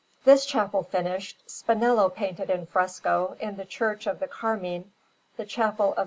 This chapel finished, Spinello painted in fresco, in the Church of the Carmine, the Chapel of S.